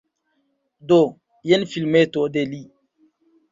Do, jen filmeto de li!